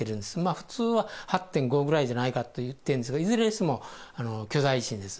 ふつうは８．５ぐらいじゃないかといってんですが、いずれにしても巨大地震です。